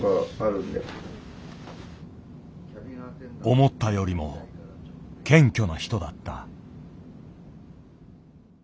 思ったよりも謙虚な人だった。